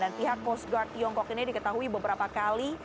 dan pihak coast guard tiongkok ini diketahui beberapa kali